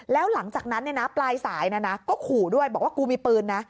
แล้วหลังจากนั้นปลายสายก็ขู่ด้วยบอกว่ากูมีปืนนะ